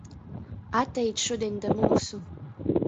Atejit šudiņ da myusu!